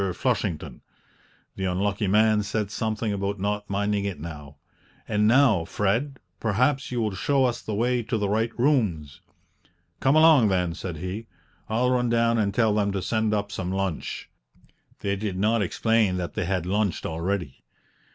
Flushington" (the unlucky man said something about not minding it now); "and now, Fred, perhaps you will show us the way to the right rooms?" "Come along, then!" said he; "I'll run down and tell them to send up some lunch" (they did not explain that they had lunched already).